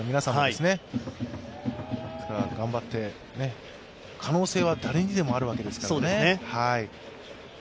ですから頑張って、可能性は誰にでもあるわけですからね。